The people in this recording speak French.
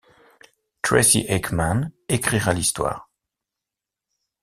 Tracy Hickman écrira l'histoire.